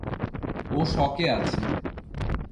ও শকে আছে!